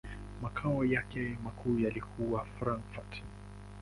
Makao yake makuu yalikuwa Frankfurt.